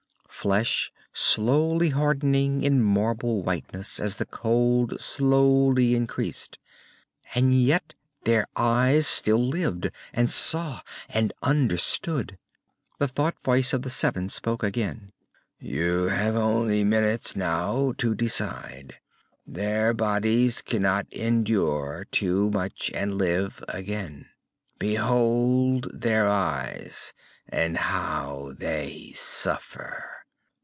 Flesh slowly hardening in marbly whiteness, as the cold slowly increased. And yet their eyes still lived, and saw, and understood. The thought voice of the seven spoke again. "You have only minutes now to decide! Their bodies cannot endure too much, and live again. Behold their eyes, and how they suffer!